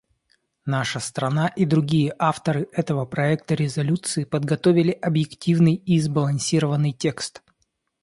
Наша страна и другие авторы этого проекта резолюции подготовили объективный и сбалансированный текст.